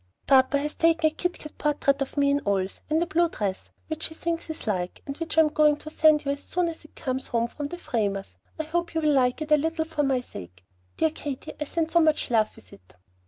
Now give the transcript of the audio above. Papa has taken a kit kat portrait of me in oils, and a blue dress, which he thinks is like, and which I am going to send you as soon as it comes home from the framers. I hope you will like it a little for my sake. Dear Katy, I send so much love with it.